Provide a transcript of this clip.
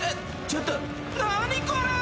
ちょっと何これ！？